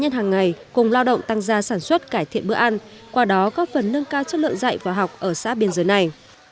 nhân hàng ngày cùng lao động tăng gia sản xuất cải thiện bữa ăn qua đó góp phần nâng cao chất lượng dạy và học ở xã biên giới này